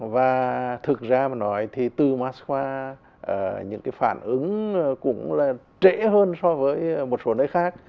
và thực ra mà nói thì từ moscow những cái phản ứng cũng là trễ hơn so với một số nơi khác